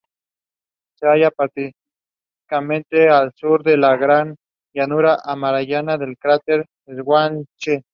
Se halla prácticamente al sur de la gran llanura amurallada del cráter Schwarzschild.